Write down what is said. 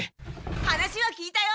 話は聞いたよ！